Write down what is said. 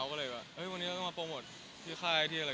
ก็เลยแบบวันนี้ก็ต้องมาโปรโมทที่ค่ายที่อะไร